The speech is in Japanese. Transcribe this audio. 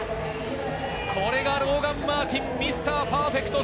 これがローガン・マーティン、ミスターパーフェクト！